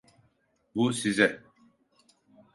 Bu size.